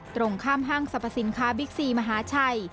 ตรงข้ามห้างสรรพสินค้าบิ๊กซีมหาชัย